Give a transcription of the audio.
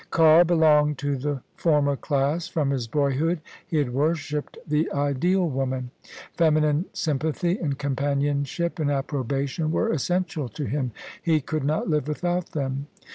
Carr belonged to the former class: from his boyhood he had worshipped the Ideal Woman. Feminine sympathy and companionship, and approbation were essential to him: he could not live without them.